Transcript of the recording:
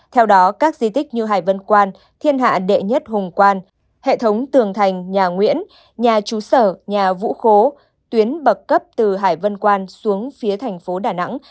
theo đó các di tích như hải vân quan thiên hạ đệ nhất hùng quan hệ thống tường thành nhà nguyễn nhà trú sở nhà vũ khố tuyến bậc cấp từ hải vân quan xuống phía thành phố đà nẵng